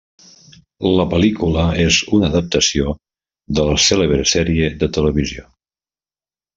La pel·lícula és una adaptació de la cèlebre sèrie de televisió.